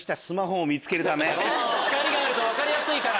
光ると分かりやすいから。